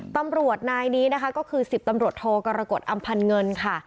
ตำรวจนายนี้นะคะก็คือ๑๐ตำรวจโทกรกฎอำพันธ์เงินค่ะ